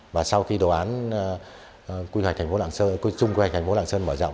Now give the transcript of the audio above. và sau khi đồ án quy hoạch thành phố lạng sơn quy chung quy hoạch thành phố lạng sơn mở rộng